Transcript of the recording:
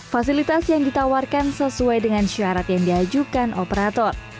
fasilitas yang ditawarkan sesuai dengan syarat yang diajukan operator